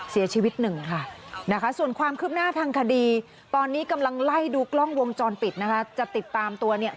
เสียชีวิตหนึ่งค่ะนะคะส่วนความคืบหน้าทางคดีตอนนี้กำลังไล่ดูกล้องวงจรปิดนะคะจะติดตามตัวเนี่ย